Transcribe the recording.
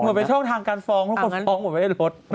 เหมือนเป็นช่องทางการฟ้องทุกคนฟ้องเหมือนไม่ได้ลด